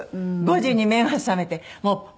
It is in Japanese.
５時に目が覚めてもうバシッと。